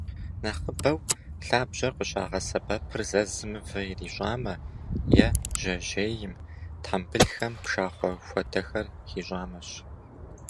Нэхъыбэу лъабжьэр къыщагъэсэбэпыр зэзым мывэ ирищӏамэ, е жьэжьейм, тхьэмбылхэм пшахъуэ хуэдэхэр хищӏамэщ.